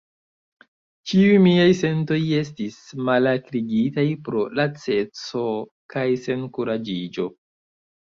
Ĉiuj miaj sentoj estis malakrigitaj pro laceco kaj senkuraĝiĝo.